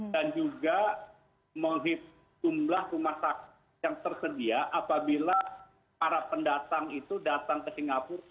dan juga menghitunglah rumah sakit yang tersedia apabila para pendatang itu datang ke singapura